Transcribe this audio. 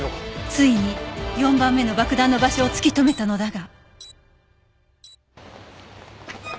ついに４番目の爆弾の場所を突き止めたのだが